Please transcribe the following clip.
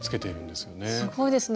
すごいですね。